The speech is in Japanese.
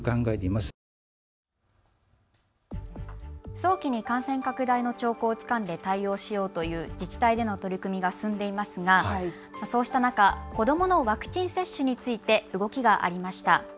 早期に感染拡大の兆候をつかんで対応しようという自治体での取り組みが進んでいますがそうした中、子どものワクチン接種について動きがありました。